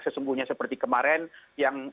sesungguhnya seperti kemarin yang